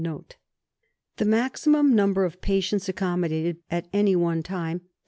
The maximum number of patients accommodated at any one time (Dec.